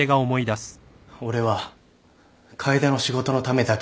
俺は楓の仕事のためだけにいるの？